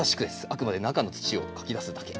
あくまで中の土をかき出すだけ。